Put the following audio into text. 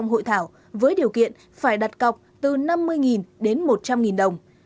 hội thảo với điều kiện phải đặt cọc từ năm mươi đến một trăm linh đồng